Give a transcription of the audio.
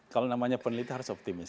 kalau namanya peneliti harus optimis